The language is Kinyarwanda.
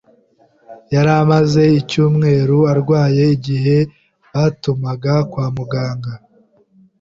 Yari amaze icyumweru arwaye igihe batumaga kwa muganga.